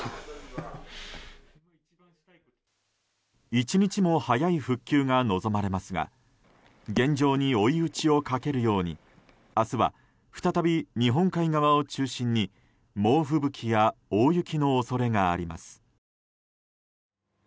一日も早い復旧が望まれますが現状に追い打ちをかけるように明日は再び日本海側を中心に猛吹雪や大雪の恐れがあります。